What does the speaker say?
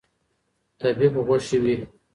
طبیب غوښي وې